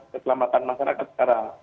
keselamatan masyarakat secara